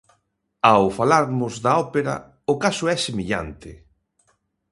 Ao falarmos da ópera, o caso é semellante.